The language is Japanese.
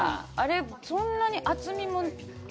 あれそんなに厚みも。